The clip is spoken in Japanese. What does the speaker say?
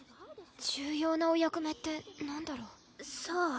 重要なお役目ってなんだろう？さあ？